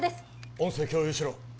音声共有しろ